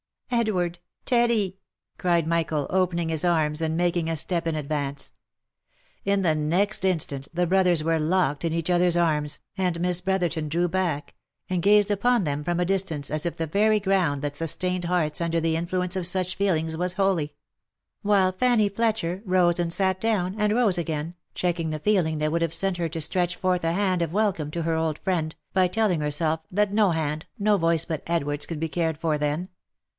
" Edward! — Teddy!" cried Michael, opening his arms, and making a step in advance. In the next instant the brothers were locked in each other's arms, and Miss Brotherton drew back, and gazed upon them from a distance as if the very ground that sustained hearts under the influence of such feelings was holy — while Fanny Fletcher, rose and sat down, and rose again, checking the feeling that would have sent her to stretch forth a hand of welcome to her old friend, by telling herself that no hand, no voice but Edward's could be cared for then.